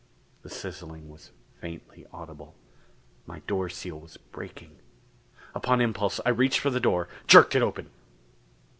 The sizzling was faintly audible. My door seal was breaking. Upon impulse I reached for the door, jerked it open.